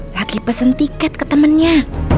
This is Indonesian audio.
lagi pesen tiket ke temennya